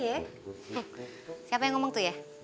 siapa yang ngomong tuh ya